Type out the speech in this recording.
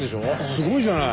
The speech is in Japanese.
すごいじゃない。